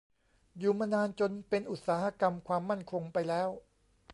อยู่มานานจนเป็น "อุตสาหกรรมความมั่นคง" ไปแล้ว